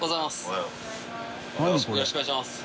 よろしくお願いします。